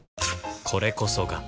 これこそが